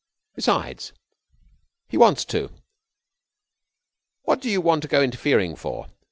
Besides, he wants to. What do you want to go interfering for?"